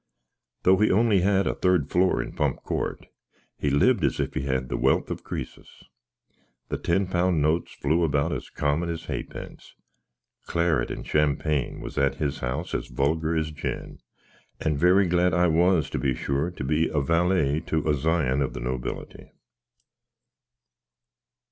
Though he only had a therd floar in Pump Cort, he lived as if he had the welth if Cresas. The tenpun notes floo abowt as common as haypince clarrit and shampang was at his house as vulgar as gin; and verry glad I was, to be sure, to be a valley to a zion of the nobillaty.